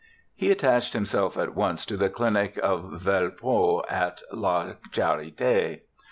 He attached himself at once to the clinic of Velpeau at La Charite.